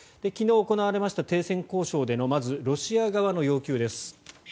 昨日行われた停戦交渉でのまず、ロシア側の要求です。